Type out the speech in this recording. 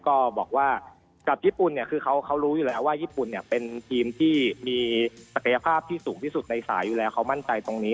ก็บอกว่ากับญี่ปุ่นเนี่ยคือเขารู้อยู่แล้วว่าญี่ปุ่นเนี่ยเป็นทีมที่มีศักยภาพที่สูงที่สุดในสายอยู่แล้วเขามั่นใจตรงนี้